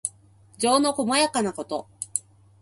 情のこまやかなこと。